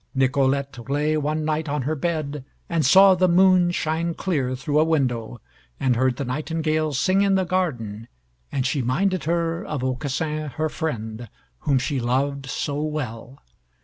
Nicolette lay one night on her bed, and saw the moon shine clear through a window, and heard the nightingale sing in the garden, and she minded her of Aucassin her friend, whom she loved so well.